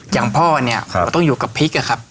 อย่างพ่อเนี่ยเราต้องอยู่กับพริกอะครับ